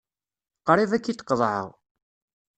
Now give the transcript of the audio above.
Qrib ad k-id-qeḍɛeɣ.